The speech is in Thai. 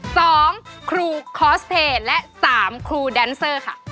ครูคอสเพลย์และสามครูแดนเซอร์ค่ะ